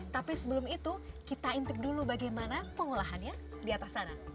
tapi sebelum itu kita intik dulu bagaimana pengolahannya di atas sana